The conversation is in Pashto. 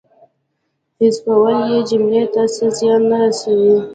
حذفول یې جملې ته څه زیان نه رسوي.